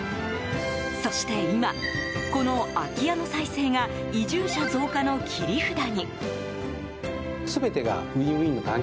そして今、この空き家の再生が移住者増加の切り札に。